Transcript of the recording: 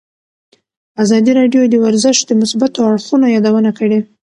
ازادي راډیو د ورزش د مثبتو اړخونو یادونه کړې.